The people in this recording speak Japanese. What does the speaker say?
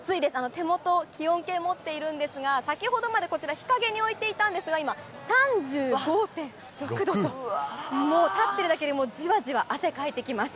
手元、気温計持っているんですが、先ほどまでこちら、日陰に置いていたんですが、今、３５．６度と、もう立ってるだけでじわじわ汗かいてきます。